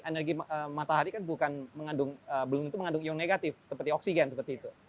energi matahari kan bukan mengandung belum tentu mengandung ion negatif seperti oksigen seperti itu